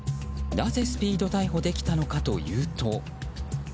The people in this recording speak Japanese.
なぜスピード逮捕できたのかというと。